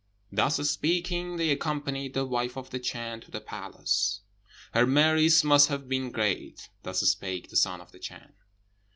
Thus speaking, they accompanied the wife of the Chan to the palace." "Her merits must have been great." Thus spake the Son of the Chan.